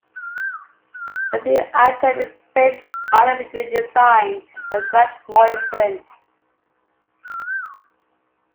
This new Atom is based on a redesign by Grant Morrison.